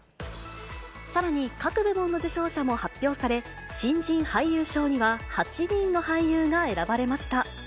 さらに、各部門の受賞者も発表され、新人俳優賞には８人の俳優が選ばれました。